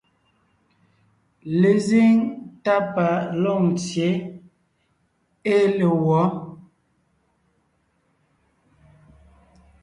Lezíŋ tá pa Lôŋtsyě ée le wɔ̌?